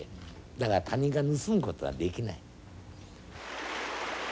だから他人が盗むことはできない。